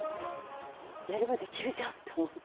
やればできるじゃんって思って。